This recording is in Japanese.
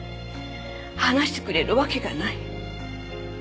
話してくれるわけがない。